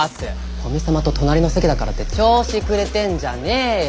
古見様と隣の席だからって調子くれてんじゃねよ